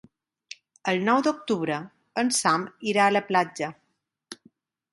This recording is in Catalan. El nou d'octubre en Sam irà a la platja.